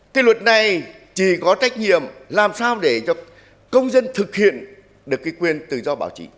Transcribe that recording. cái luật này chỉ có trách nhiệm làm sao để cho công dân thực hiện được cái quyền tự do báo chí